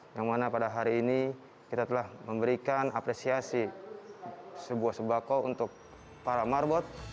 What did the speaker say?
yang mana pada hari ini kita telah memberikan apresiasi sebuah sebakau untuk para marbot